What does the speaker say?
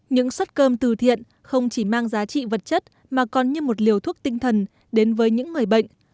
những suất cơm từ thiện không chỉ mang giá trị vật chất mà còn như một liều thuốc tinh thần đến với những người bệnh